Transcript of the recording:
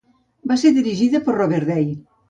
Va ser dirigida per Robert Day.